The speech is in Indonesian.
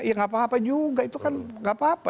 ya nggak apa apa juga itu kan nggak apa apa